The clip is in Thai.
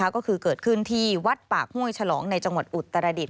ก็คือเกิดขึ้นที่วัดปากห้วยฉลองในจังหวัดอุตรดิษ